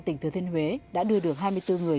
tỉnh thừa thiên huế đã đưa được hai mươi bốn người